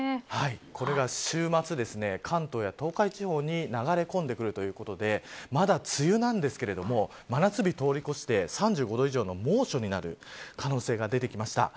これが週末、関東や東海地方に流れ込んでくるということでまだ梅雨なんですが真夏日通り越して３５度以上の猛暑になる可能性が出てきました。